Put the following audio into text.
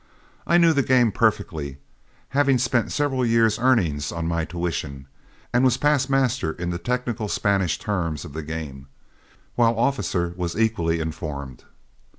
I knew the game perfectly, having spent several years' earnings on my tuition, and was past master in the technical Spanish terms of the game, while Officer was equally informed.